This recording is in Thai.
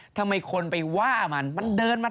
ทำไมคนไปว่ามันมันเดินมา